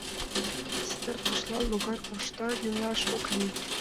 Ситартышлан логар коршта, нелаш ок лий.